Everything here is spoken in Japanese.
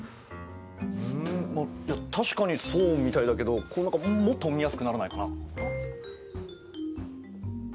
確かにそうみたいだけどもっと見やすくならないかな？